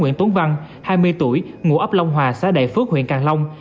tùng tuấn văn hai mươi tuổi ngủ ấp long hòa xã đại phước huyện càng long